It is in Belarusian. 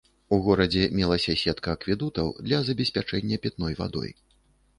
У горадзе мелася сетка акведукаў для забеспячэння пітной вадой.